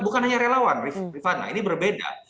bukan hanya relawan rifana ini berbeda